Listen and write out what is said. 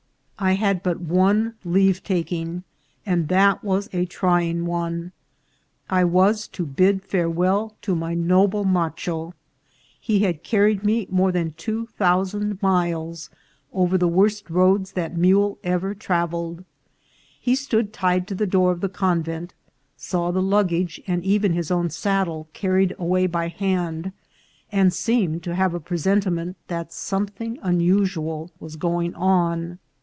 I had but one leave taking, and that was a trying one. I was to bid farewell to my noble macho. He had carried me more than two thousand miles, over the FAREWELL TO THE MACHO. 373 worst roads that mule ever travelled. He stood tied to the door of the convent ; saw the luggage, and even his own saddle, carried away by hand, and seemed to have a presentiment that something unusual was going on.